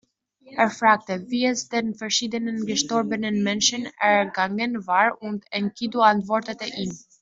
Er fragte, wie es den verschiedenen gestorbenen Menschen ergangen war und Enkidu antwortete ihm.